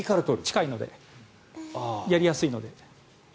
近いのでやりやすいので。